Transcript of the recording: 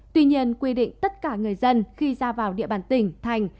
tuy nhiên quy định tất cả người dân khi ra vào địa bàn tỉnh thành